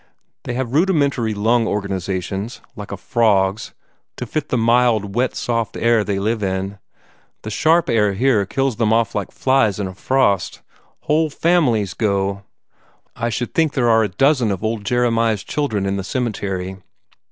They have rudimentary lung organizations, like a frog's, to fit the mild, wet soft air they live in. The sharp air here kills them off like flies in a frost. Whole families go. I should think there are a dozen of old Jeremiah's children in the cemetery.